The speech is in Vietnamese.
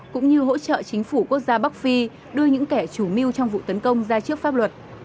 cũng như hỗ trợ chính phủ quốc gia bắc phi đưa những kẻ chủ mưu trong vụ tấn công ra trước pháp luật